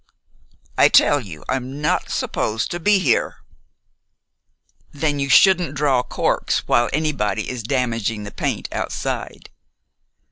"I tell you I'm not supposed to be here." "Then you shouldn't draw corks while anybody is damaging the paint outside."